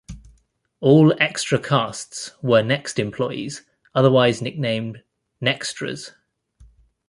All extra casts were Next employees, otherwise nicknamed 'nextras'.